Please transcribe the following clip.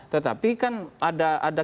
tetapi kan ada